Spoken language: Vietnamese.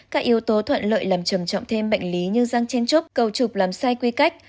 các yếu tố thuận lợi làm trầm trọng thêm bệnh lý như răng chen trúc cầu trục làm sai quy cách